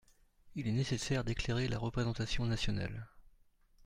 Il est nécessaire d’éclairer la représentation nationale.